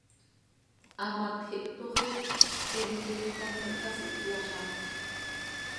Hamatj ihptooxi, siml ix quih anxö ihtasi, hpyazaplc.